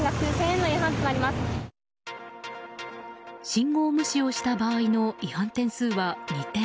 信号無視をした場合の違反点数は２点。